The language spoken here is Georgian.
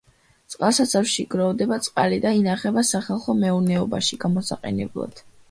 წყალსაცავში გროვდება წყალი და ინახება სახალხო მეურნეობაში გამოსაყენებლად.